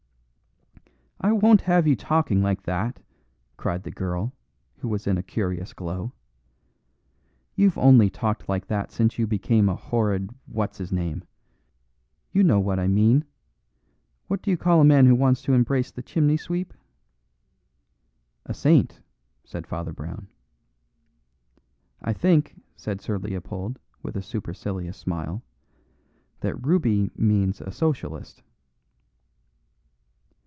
"I won't have you talking like that," cried the girl, who was in a curious glow. "You've only talked like that since you became a horrid what's his name. You know what I mean. What do you call a man who wants to embrace the chimney sweep?" "A saint," said Father Brown. "I think," said Sir Leopold, with a supercilious smile, "that Ruby means a Socialist."